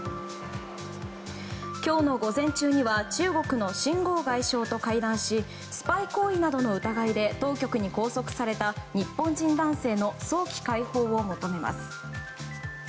今日の午前中には中国のシン・ゴウ外相と会談しスパイ行為などの疑いで当局に拘束された日本人男性の早期解放を求めます。